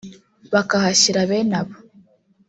bakahashyira bene abo